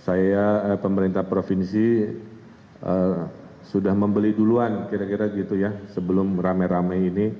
saya pemerintah provinsi sudah membeli duluan kira kira gitu ya sebelum rame rame ini